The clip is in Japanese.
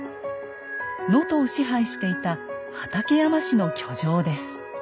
能登を支配していた畠山氏の居城です。